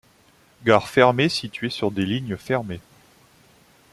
Gare fermée située sur des lignes fermées.